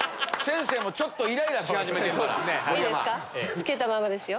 つけたままですよ。